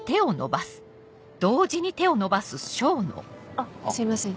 あっすいません。